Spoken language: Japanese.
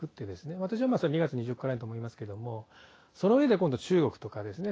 私は、それは２月２４日くらいだと思いますけどもその上で今度、中国とかですね